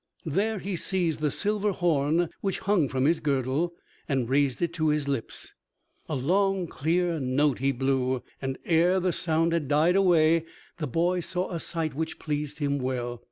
There he seized the silver horn which hung from his girdle and raised it to his lips. A long, clear note he blew, and ere the sound had died away the boy saw a sight which pleased him well.